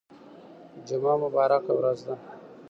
جمعه مبارکه ورځ ده